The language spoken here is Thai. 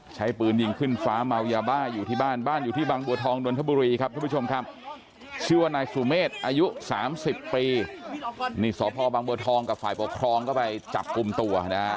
ชื่อว่านายสูเมศอายุ๓๐ปีนี่สบังเบอร์ทองกับฝ่ายปกครองเข้าไปจับกลุ่มตัวนะครับ